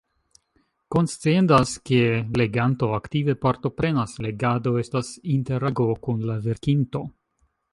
Konsciendas, ke leganto aktive partoprenas: legado estas interago kun la verkinto.